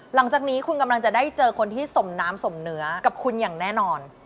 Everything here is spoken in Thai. หลังจากนี้คุณกำลังจะได้เจอคนที่สมน้ำสมเนื้อกับคุณอย่างแน่นอน